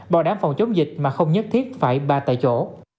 bảo đảm phòng chống dịch mà không nhất thiết phải ba tại chỗ